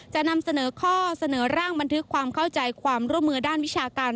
จะนำเสนอข้อเสนอร่างบันทึกความเข้าใจความร่วมมือด้านวิชาการ